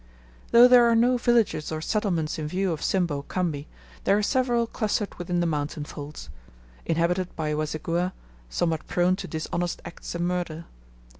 Though there are no villages or settlements in view of Simbo Khambi, there are several clustered within the mountain folds, inhabited by Waseguhha somewhat prone to dishonest acts and murder.